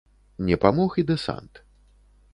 Не памог і дэсант.